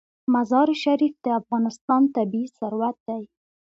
مزارشریف د افغانستان طبعي ثروت دی.